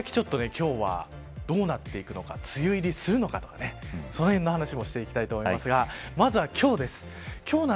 今日はどうなっていくのか梅雨入りするのかそのへんの話もしていきたいと思いますがまずは今日です。